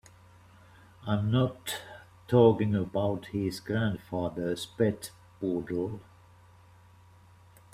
I'm not talking about his grandfather's pet poodle.